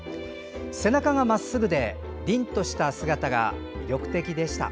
「背中がまっすぐで凛とした姿が魅力的でした。